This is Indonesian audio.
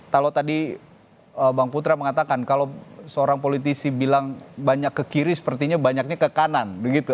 kalau tadi bang putra mengatakan kalau seorang politisi bilang banyak ke kiri sepertinya banyaknya ke kanan